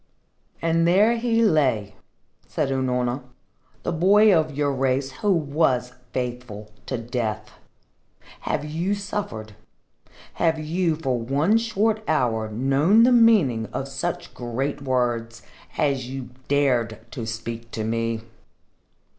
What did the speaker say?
"And there he lay," said Unorna, "the boy of your race who was faithful to death. Have you suffered? Have you for one short hour known the meaning of such great words as you dared to speak to me?